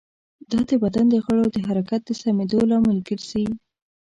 دا د بدن د غړو د حرکت د سمېدو لامل ګرځي.